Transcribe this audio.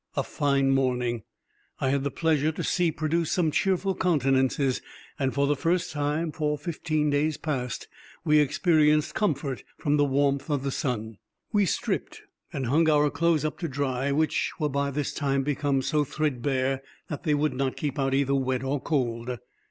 _—A fine morning, I had the pleasure to see produce some cheerful countenances; and the first time, for fifteen days past, we experienced comfort from the warmth of the sun. We stripped, and hung our clothes up to dry, which were by this time become so threadbare, that they would not keep out either wet or cold.